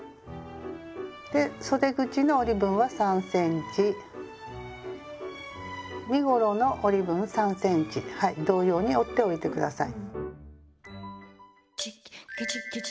でそで口の折り分は３ｃｍ身ごろの折り分３ｃｍ同様に折っておいてください。